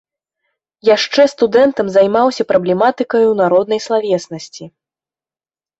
Яшчэ студэнтам займаўся праблематыкаю народнай славеснасці.